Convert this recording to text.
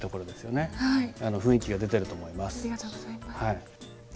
雰囲気が出てると思います。